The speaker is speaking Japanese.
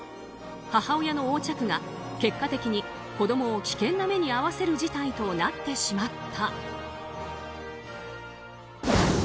母親の横着が結果的に子供を危険な目に遭わせる事態となってしまった。